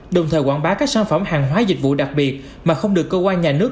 đồng thời quảng bá các sản phẩm hàng hóa dịch vụ đặc biệt mà không được cơ quan nhà nước